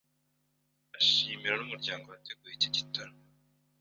ashimira n'umuryango wateguye iki gitaramo.